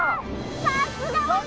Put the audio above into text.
さすが私！